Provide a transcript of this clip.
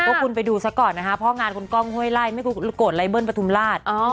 ก็คุณไปดูซะก่อนนะคะพ่องานคุณกล้องห้วยไล่ไม่โกรธไลเบิ้ลปฐุมราช